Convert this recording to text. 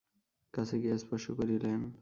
কাছে গিয়া স্পর্শ করিলেন।